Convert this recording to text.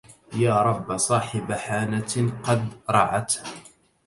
يا رب صاحب حانة قد رعته